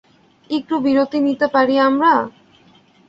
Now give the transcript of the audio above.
একটু বিরতি নিতে পারি আমরা?